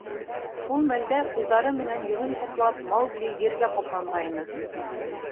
Шул мәлдә ҡулдары менән йөҙөн ҡаплап, Маугли ергә ҡапланғайны.